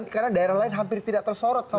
karena daerah lain hampir tidak berlangsung